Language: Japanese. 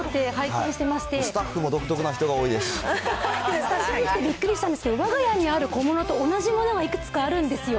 スタジオ来てびっくりしたんですけど、わが家にある小物と同じものがいくつかあるんですよ。